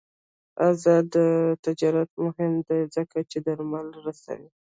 آزاد تجارت مهم دی ځکه چې درمل رسوي.